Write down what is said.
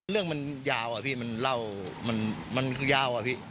เรื่องมันยาวอะพี่มันเล่ามันยาวอะพี่